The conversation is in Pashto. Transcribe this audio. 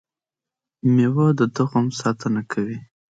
مېوه د تخم ساتنه کوي